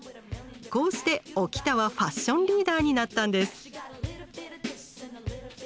こうしておきたはファッションリーダーになったんです。